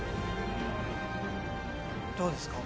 どうですか？